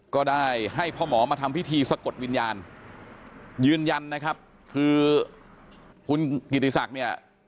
ก็ได้ให้พ่อหมอมาทำพิธีสะกดวิญญาณยืนยันนะครับคือคุณกิติศักดิ์เนี่ย